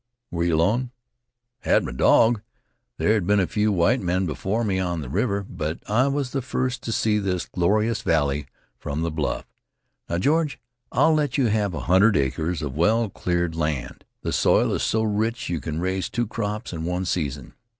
"Were you alone?" "I and my dog. There had been a few white men before me on the river; but I was the first to see this glorious valley from the bluff. Now, George, I'll let you have a hundred acres of well cleared land. The soil is so rich you can raise two crops in one season.